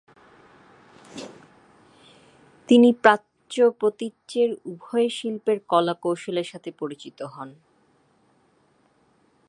তিনি প্রাচ্য-প্রতীচ্যের উভয় শিল্পের কলা-কৌশলের সাথে পরিচিত হন।